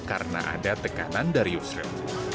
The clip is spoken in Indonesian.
karena ada tekanan dari yusril